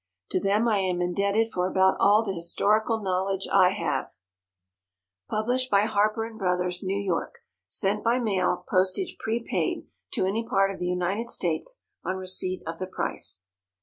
To them I am indebted for about all the historical knowledge I have._" PUBLISHED BY HARPER & BROTHERS, NEW YORK. _Sent by mail, postage prepaid, to any part of the United States, on receipt of the price.